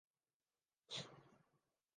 اور ورد کر رہے ہیں۔